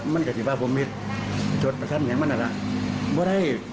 พยาบาลอยู่ไปหน้าที่เง็บแพ้